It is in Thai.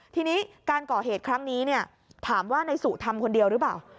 ทีนี้การก่อเหตุครั้งนี้ถามว่านายสุทำคนเดียวหรือเปล่า